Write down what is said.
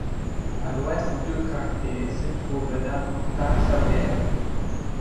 À l'ouest du quartier se trouve d'importantes sablières.